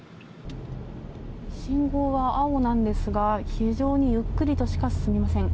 信号は青なんですが非常にゆっくりとしか進みません。